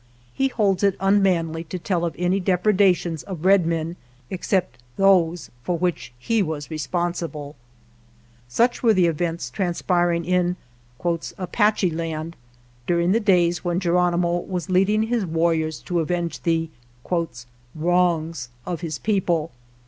He holds it unmanly to tell of any depredations of red men except those for which he was responsible. Such were the events transpiring in " Apache land " during the days when Ge ronimo was leading his warriors to avenge the " wrongs " of his people.